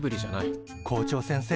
校長先生